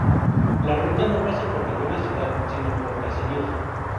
La ruta no pasa por ninguna ciudad, sino por caseríos.